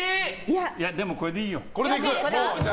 でも、これでいいよ。